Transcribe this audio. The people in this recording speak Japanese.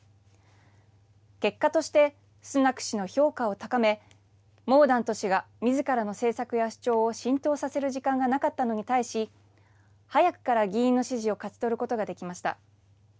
結果として、スナク氏の評価を高め、モーダント氏がみずからの政策や主張を浸透させる時間がなかったのに対し、早くから議員の支持を勝ち取ることができました。